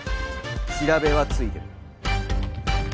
調べはついてる。